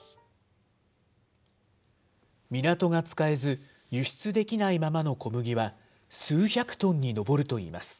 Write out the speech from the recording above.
港が使えず、輸出できないままの小麦は数百トンに上るといいます。